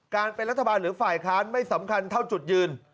การเป็นรัฐบาลหรือฝ่ายค้านไม่สำคัญเท่าจุดยืน